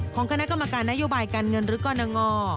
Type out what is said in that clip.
ของคณะกรรมการนโยบายการเงินฤทธิ์ก่อนหน้า